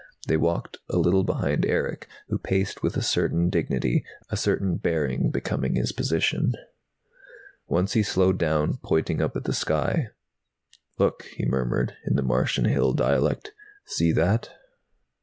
They walked a little behind Erick, who paced with a certain dignity, a certain bearing becoming his position. Once he slowed down, pointing up at the sky. "Look," he murmured, in the Martian hill dialect. "See that?"